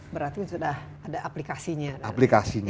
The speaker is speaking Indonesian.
berarti sudah ada aplikasinya